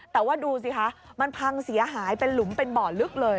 แต่ว่าดูสิคะมันพังเสียหายเป็นหลุมเป็นบ่อลึกเลย